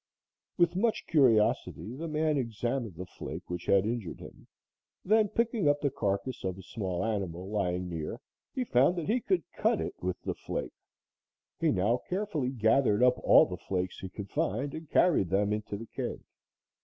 With much curiosity, the man examined the flake which had injured him, then picking up the carcass of a small animal lying near, he found that he could cut it with the flake. He now carefully gathered up all the flakes he could find and carried them into the cave.